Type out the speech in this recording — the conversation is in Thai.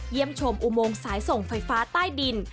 ชมอุโมงสายส่งไฟฟ้าใต้ดิน